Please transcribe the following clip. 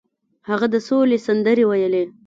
هغه د سولې سندرې ویلې.